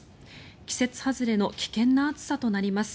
季節外れの危険な暑さとなります。